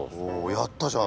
やったじゃん！